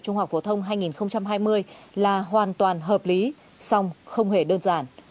trung học phổ thông hai nghìn hai mươi là hoàn toàn hợp lý xong không hề đơn giản